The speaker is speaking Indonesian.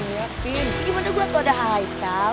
nih gimana gue tau udah haikal